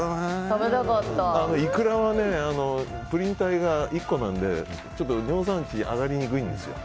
イクラはプリン体が１個なので尿酸値が上がりにくいんですよ。